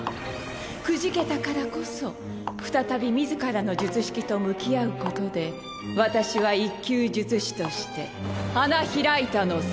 くじけたからこそ再び自らの術式と向き合うことで私は１級術師として花開いたのさ。